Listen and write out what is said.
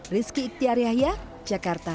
rizky iktiar yahya jakarta